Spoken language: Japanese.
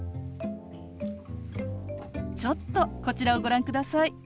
ちょっとこちらをご覧ください。